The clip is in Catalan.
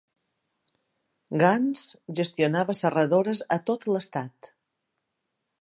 Gunns gestionava serradores a tot l'estat.